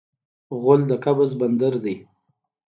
غول د قبض بندر دی.